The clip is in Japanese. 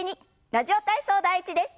「ラジオ体操第１」です。